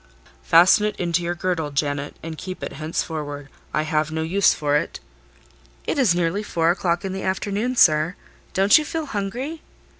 "Fasten it into your girdle, Janet, and keep it henceforward: I have no use for it." "It is nearly four o'clock in the afternoon, sir. Don't you feel hungry?"